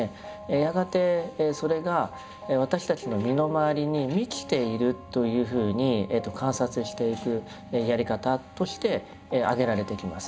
やがてそれが私たちの身の回りに満ちているというふうに観察していくやり方として挙げられていきます。